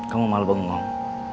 kamu malu bengong